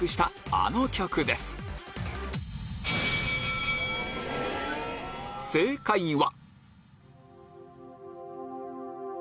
あの曲です正解は？